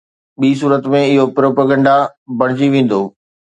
ٻي صورت ۾، اهو پروپيگنڊا بڻجي ويندو.